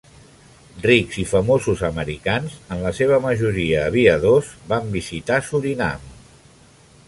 Rics i famosos americans, en la seva majoria aviadors, van visitar Surinam.